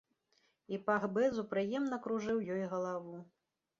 І пах бэзу прыемна кружыў ёй галаву.